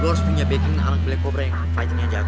lu harus punya backing anak black cobra yang fightingnya jago